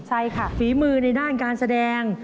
ใช่ค่ะฝีมือในด้านการแสดง